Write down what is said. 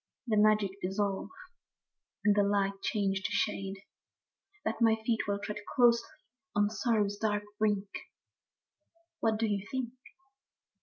The magic dissolve, and the light change to shade ; That my feet will tread closely on sorrow's dark brink, — What do you think?